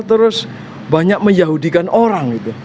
terus banyak meyahudikan orang